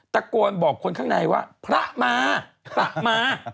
ตะโกนบอกคนข้างในว่าพระมาพระมา